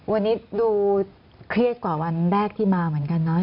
วันนี้ดูเครียดกว่าวันแรกที่มาเหมือนกันเนอะ